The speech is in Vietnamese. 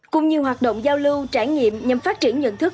cũng như hoạt động giao lưu trải nghiệm nhằm phát triển nhận thức